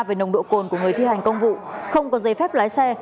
về nồng độ cồn của người thi hành công vụ không có giấy phép lái xe